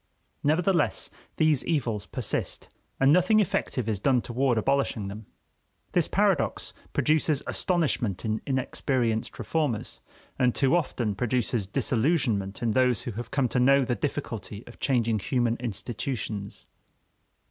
Nevertheless, these evils persist, and nothing effective is done toward abolishing them. This paradox produces astonishment in inexperienced reformers, and too often produces disillusionment in those who have come to know the difficulty of changing human institutions.